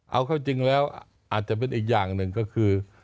เอาเข้าจริงแล้วอาจจะเป็นอีกอย่างหนึ่งก็คือ